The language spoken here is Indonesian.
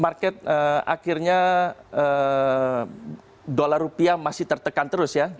market akhirnya dolar rupiah masih tertekan terus ya